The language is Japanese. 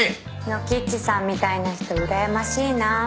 ノキッチさんみたいな人うらやましいなぁ